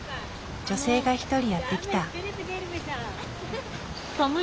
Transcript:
女性が一人やって来た。